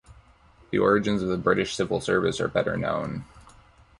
The origins of the British civil service are better known.